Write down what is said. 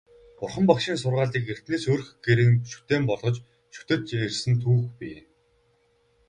Бурхан Багшийн сургаалыг эртнээс өрх гэрийн шүтээн болгож шүтэж ирсэн түүх бий.